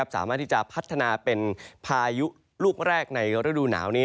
สามารถที่จะพัฒนาเป็นพายุลูกแรกในฤดูหนาวนี้